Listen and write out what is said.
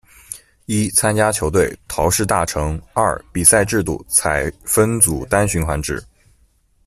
一、参加球队：桃市大成二、比赛制度：采分组单循环制。